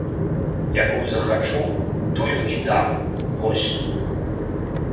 Якую захачу, тую і дам, вось!